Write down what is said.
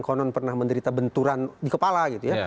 konon pernah menderita benturan di kepala gitu ya